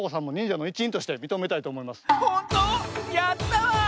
やったわ！